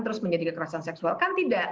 terus menjadi kekerasan seksual kan tidak